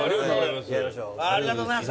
ありがとうございます。